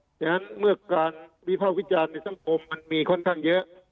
ฉะนั้นเมื่อการวิภาควิจารณ์ในสังคมมันมีค่อนข้างเยอะ